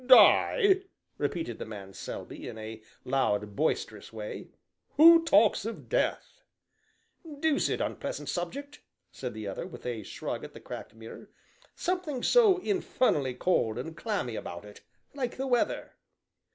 "Die!" repeated the man Selby, in a loud, boisterous way. "Who talks of death?" "Deuced unpleasant subject!" said the other, with a shrug at the cracked mirror. "Something so infernally cold and clammy about it like the weather."